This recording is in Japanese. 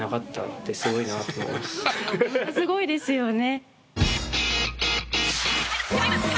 ホントすごいですよね。